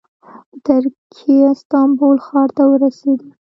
د ترکیې استانبول ښار ته ورسېده.